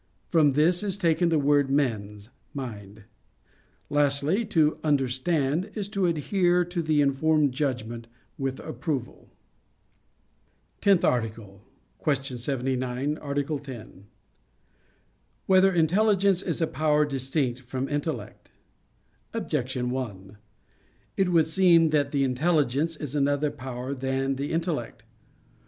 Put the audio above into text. From this is taken the word "mens" [mind]. Lastly, to "understand" is to adhere to the formed judgment with approval. _______________________ TENTH ARTICLE [I, Q. 79, Art. 10] Whether Intelligence Is a Power Distinct from Intellect? Objection 1: It would seem that the intelligence is another power than the intellect.